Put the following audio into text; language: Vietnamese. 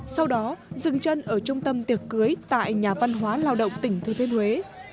sau đó dừng chân ở trung tâm tiệc cưới tại nhà văn hóa lao động tỉnh thừa thiên huế